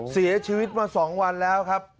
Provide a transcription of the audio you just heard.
เสียชีวิตมา๒วันแล้วครับ